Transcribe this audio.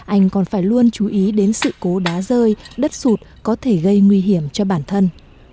anh còn phải luôn chú ý đến sự cố đá rơi đất sụt có thể gây nguy hiểm cho bản thân